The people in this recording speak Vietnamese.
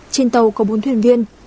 trên tàu có bốn thuyền viên